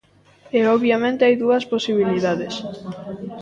E obviamente hai dúas posibilidades.